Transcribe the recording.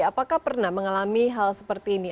apakah pernah mengalami hal seperti ini